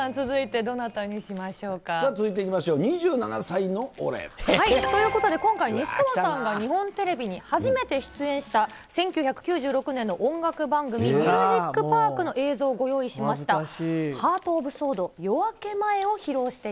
続いていきましょう。ということで、今回西川さんが日本テレビに初めて出演した、１９９６年の音楽番組、ミュージックパークの映像をご用意しました。